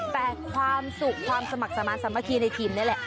แต่ความสุขความสมัครสมาธิสามัคคีในทีมนี่แหละ